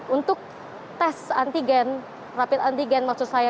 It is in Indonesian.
untuk tes antigen rapid antigen maksud saya